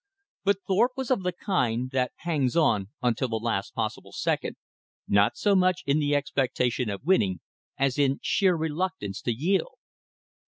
But Thorpe was of the kind that hangs on until the last possible second, not so much in the expectation of winning, as in sheer reluctance to yield.